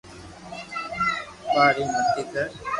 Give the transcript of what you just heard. يار ايم متي ڪر